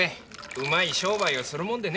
うまい商売をするもんでね。